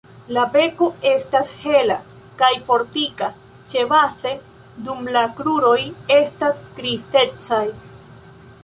La beko estas hela kaj fortika ĉebaze dum la kruroj estas grizecaj.